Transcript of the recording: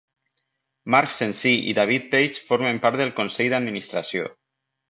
Mark Cenci i David Page formen part del Consell d'administració.